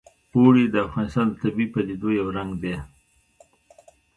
اوړي د افغانستان د طبیعي پدیدو یو رنګ دی.